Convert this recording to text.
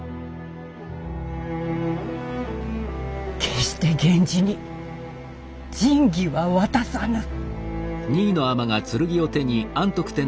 決して源氏に神器は渡さぬ。